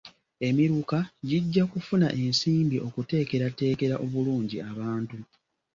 Emiruka gijja kufuna ensimbi okuteekerateekera obulungi abantu.